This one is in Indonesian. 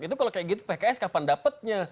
itu kalau kayak gitu pks kapan dapatnya